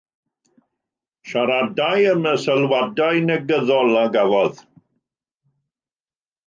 Siaradai am y sylwadau negyddol a gafodd.